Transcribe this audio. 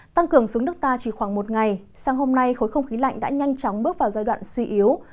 tăng cường xuống nước ta chỉ khoảng một ngày sang hôm nay khối không khí lạnh đã nhanh chóng bước vào giai đoạn suy yếu